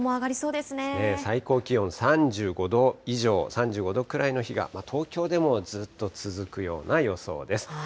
最高気温３５度以上、３５度くらいの日が東京でもずっと続くような予想です。